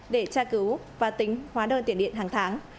để tra cứu và tính hóa đơn tiền điện hàng tháng